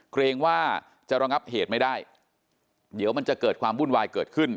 เกรงว่าจะระงับเหตุไม่ได้เดี๋ยวมันจะเกิดความวุ่นวายเกิดขึ้น